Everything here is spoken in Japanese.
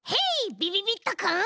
びびびっとくん。